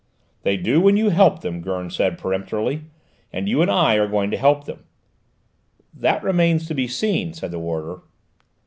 "They do when you help them," Gurn said peremptorily; "and you and I are going to help them." "That remains to be seen," said the warder.